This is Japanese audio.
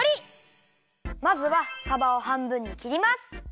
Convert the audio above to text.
まずはさばをはんぶんにきります。